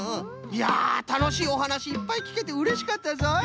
いやたのしいおはなしいっぱいきけてうれしかったぞい。